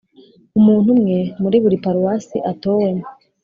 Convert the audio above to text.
Umuntu umwe muri buri paruwase atowemo